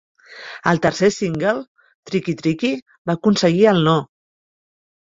El tercer single, "Tricky, Tricky", va aconseguir el No.